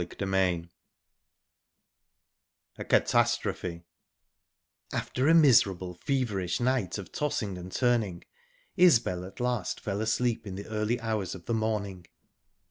Chapter XVIII A CATASTROPHE After a miserable, feverish night of tossing and turning, Isbel at last fell asleep in the early hours of the morning.